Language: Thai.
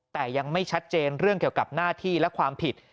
แต่ยังไม่ชัดเจนเรื่องเกี่ยวกับหน้าที่และความผิด